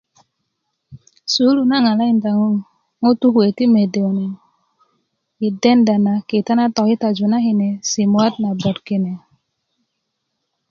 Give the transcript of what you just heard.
sukulu na ŋarakinda ŋutuu kuwe ti mede kune yi denda na kita na tokitaju na kine simuwat nabot kine